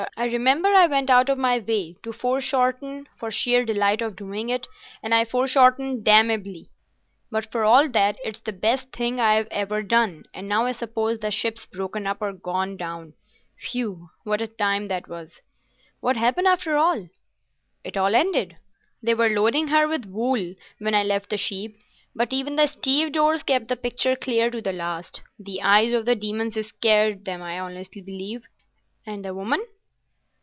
I remember I went out of my way to foreshorten for sheer delight of doing it, and I foreshortened damnably, but for all that it's the best thing I've ever done; and now I suppose the ship's broken up or gone down. Whew! What a time that was!" "What happened after all?" "It all ended. They were loading her with wool when I left the ship, but even the stevedores kept the picture clear to the last. The eyes of the demons scared them, I honestly believe." "And the woman?"